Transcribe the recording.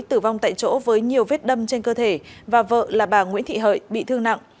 tử vong tại chỗ với nhiều vết đâm trên cơ thể và vợ là bà nguyễn thị hợi bị thương nặng